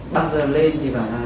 bao giờ lên thì bảo là